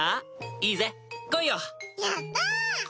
いいぜ来いよやった！